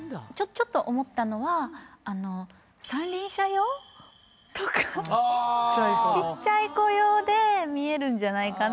ちょっと思ったのは三輪車用？とかああちっちゃい子用で見えるんじゃないかな